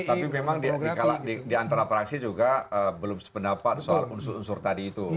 tapi memang di antara praksi juga belum sependapat soal unsur unsur tadi itu